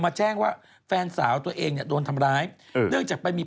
แจ้งว่าแฟนสาวตัวเองเนี่ยโดนทำร้ายเนื่องจากไปมี